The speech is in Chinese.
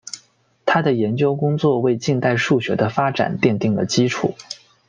他的研究工作为近代数学的发展奠定了基础。